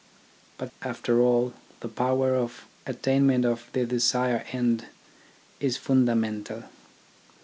But, after all, the power of attainment of the desired end is fundamental.